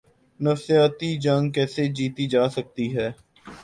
نفسیاتی جنگ کیسے جیتی جا سکتی ہے۔